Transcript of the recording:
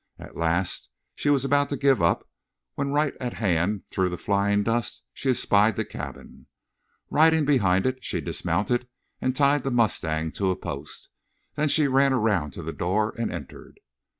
At last she was about to give up when right at hand through the flying dust she espied the cabin. Riding behind it, she dismounted and tied the mustang to a post. Then she ran around to the door and entered.